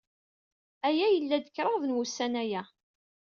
Aya yella-d kraḍ n wussan aya.